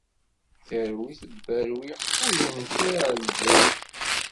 Terwi, tebberwi, ur infiε lǧawi.